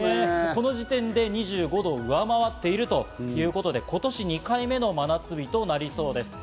この時点で２５度を上回っているということで、今年２度目の真夏日となりそうです。